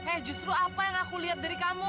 eh justru apa yang aku lihat dari kamu